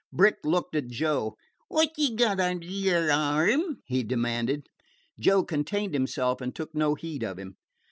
Brick looked at Joe. "Wot yer got under yer arm?" he demanded. Joe contained himself and took no heed of him.